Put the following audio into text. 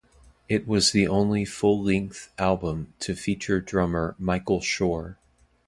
It was the only full-length album to feature drummer Michael Schorr.